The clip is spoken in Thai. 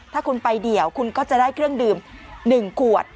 ถ้าคุณไปเดี่ยวคุณก็จะได้เครื่องดื่ม๑ขวด